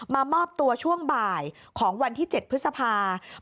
มามอบตัวช่วงบ่ายของวันที่๗พฤษภา